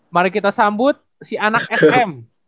mari kita sambut si anak sm